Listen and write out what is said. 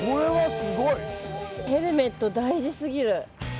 ヘルメット大事すぎる。